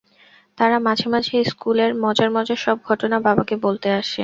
তারা মাঝেমাঝে স্কুলের মজার-মজার সব ঘটনা বাবাকে বলতে আসে।